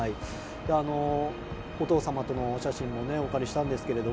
お父様とのお写真もお借りしたんですが。